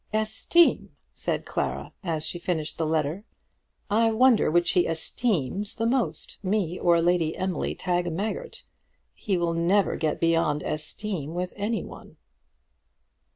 "Esteem!" said Clara, as she finished the letter. "I wonder which he esteems the most, me or Lady Emily Tagmaggert. He will never get beyond esteem with any one."